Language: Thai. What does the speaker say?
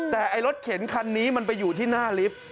แต่ไอ้รถเข็นคันนี้มันไปอยู่ที่หน้าลิฟท์